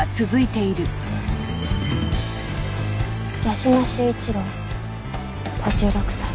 屋島修一郎５６歳。